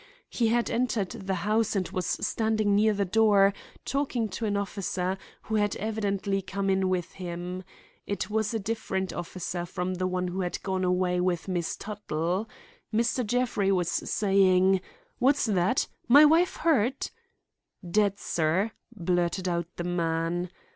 He had entered the house and was standing near the door talking to an officer, who had evidently come in with him. It was a different officer from the one who had gone away with Miss Tuttle. Mr. Jeffrey was saying, 'What's that? My wife hurt!' 'Dead, sir!' blurted out the man.